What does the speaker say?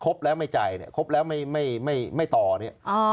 ครบแล้วไม่จ่ายครบแล้วไม่ต่อเนี่ย